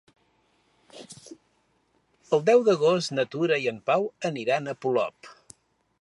El deu d'agost na Tura i en Pau aniran a Polop.